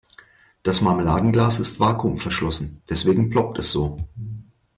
Das Marmeladenglas ist vakuumverschlossen, deswegen ploppt es so.